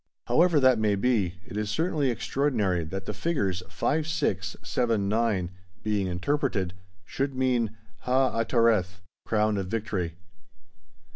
However that may be, it is certainly extraordinary that the figures 5, 6, 7, 9, being interpreted, should mean Ha atereth "Crown of Victory."